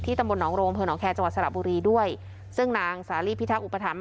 ที่ตำบลหนองโรงเผลอหนองแคจังหวัดสละบุรีด้วยซึ่งนางสาลีพิทักษ์อุปถัมภ์